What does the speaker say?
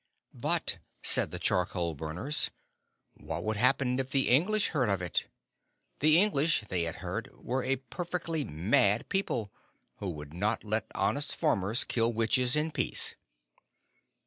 But, said the charcoal burners, what would happen if the English heard of it? The English, they had heard, were a perfectly mad people, who would not let honest farmers kill witches in peace.